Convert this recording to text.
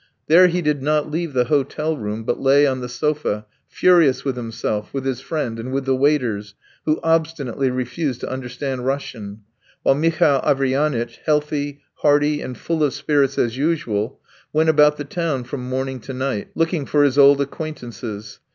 There he did not leave the hotel room, but lay on the sofa, furious with himself, with his friend, and with the waiters, who obstinately refused to understand Russian; while Mihail Averyanitch, healthy, hearty, and full of spirits as usual, went about the town from morning to night, looking for his old acquaintances.